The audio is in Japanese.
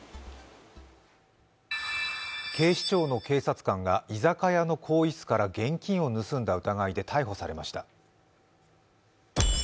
警視庁の警察官が居酒屋の更衣室から現金を盗んだ疑いで逮捕されました。